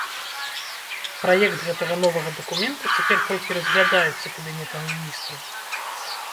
Праект гэтага новага дакумента цяпер толькі разглядаецца кабінетам міністраў.